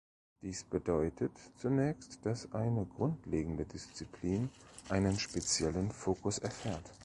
Das bedeutet zunächst, dass eine grundlegende Disziplin einen speziellen Fokus erfährt.